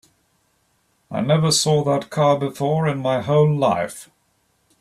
I never saw that car before in my whole life.